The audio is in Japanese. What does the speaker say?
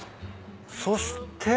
そして。